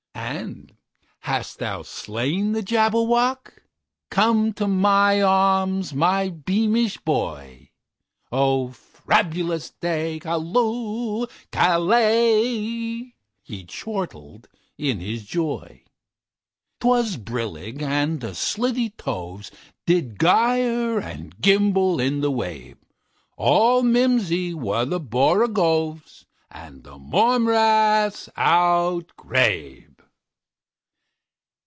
"And hast thou slain the Jabberwock? Come to my arms, my beamish boy!O frabjous day! Callooh! Callay!"He chortled in his joy.'T was brillig, and the slithy tovesDid gyre and gimble in the wabe; All mimsy were the borogoves, And the mome raths outgrabe.